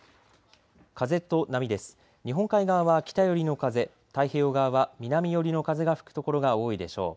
日本海側は北寄りの風、太平洋側は南寄りの風が吹くところが多いでしょう。